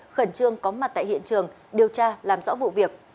khẩn trương có mặt tại hiện trường điều tra làm rõ vụ việc